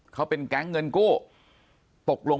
ปากกับภาคภูมิ